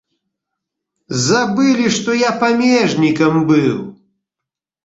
Забылі, што я памежнікам быў!